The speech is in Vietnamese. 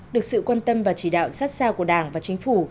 được sự quan tâm và chỉ đạo sát sao của đảng và chính phủ